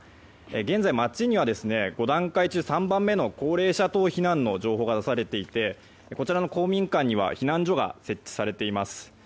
現在、町には５段階中３番目の高齢者等避難の情報が出されていてこちらの公民館には避難所が設置されています。